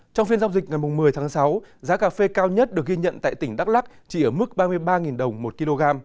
trong phiên giao dịch ngày một mươi tháng sáu giá cà phê cao nhất được ghi nhận tại tỉnh đắk lắc chỉ ở mức ba mươi ba đồng một kg